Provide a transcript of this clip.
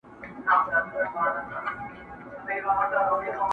o غل چي غلا کوي، قرآن په بغل کي ورسره گرځوي!